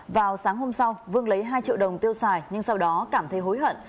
vào sáng hôm sau vương lấy hai triệu đồng tiêu xài nhưng sau đó cảm thấy hối hận